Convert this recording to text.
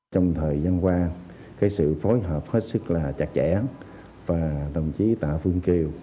trong thời gian qua sự phối hợp hết sức là chặt chẽ và đồng chí tạ phương kiều